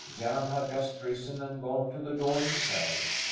Jan had just risen and gone to the door himself.